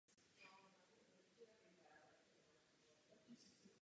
Jedná se o hrubou malbu.